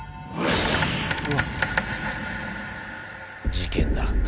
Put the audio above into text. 事件だ。